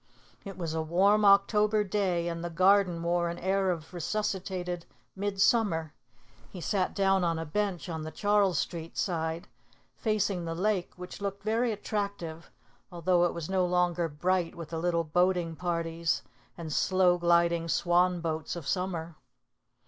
It was a warm October day, and the Garden wore an air of resuscitated midsummer. He sat down on a bench on the Charles Street side, facing the lake, which looked very attractive, although it was no longer bright with the little boating parties and slow gliding swan boats of summer.